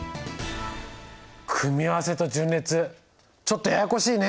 組み合わせと順列ちょっとややこしいね。